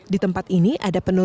di tempat ini ada penurunan